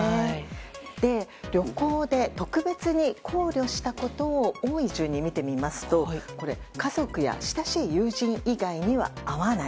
旅行で特別に考慮したことを多い順に見てみますと家族や、親しい友人以外には会わない。